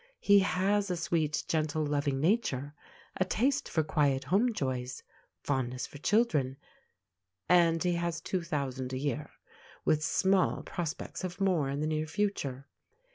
He has a sweet, gentle, loving nature, a taste for quiet home joys, fondness for children, and he has two thousand a year, with small prospects of more in the near future.